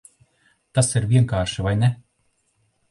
Tas ir vienkārši, vai ne?